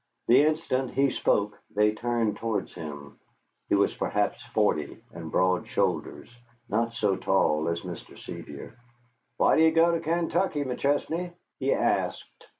The instant he spoke they turned towards him. He was perhaps forty, and broad shouldered, not so tall as Mr. Sevier. "Why do you go to Kaintuckee, McChesney?" he asked.